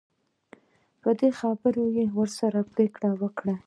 په دې خبره یې ورسره پرېکړه وکړه.